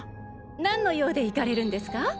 何の用で行かれるんですか？